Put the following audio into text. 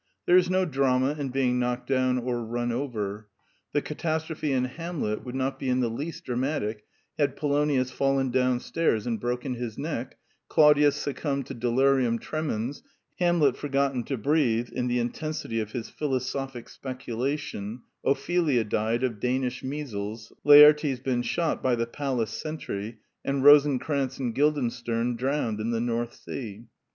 There is no drama in being knocked down or run over. The catastrophe in Hamlet would not be in the least dramatic had Polonius fallen downstairs and broken his neck, Claudius succumbed to delirium tremens, Hamlet forgotten to breathe in the intensity of his philo sophic speculation, Ophelia died of Danish measles, Laertes been shot by the palace sentry, and Rosencrantz and Guildenstern drowned in the North Sea.